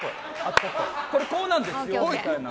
これ、こうなんですよみたいな。